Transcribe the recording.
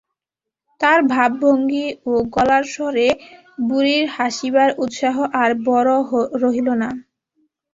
তার ভাবভঙ্গি ও গলার স্বরে বুড়ির হাসিবার উৎসাহ আর বড় রহিল না।